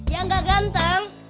yang gak ganteng